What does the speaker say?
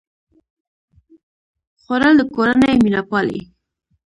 خوړل د کورنۍ مینه پالي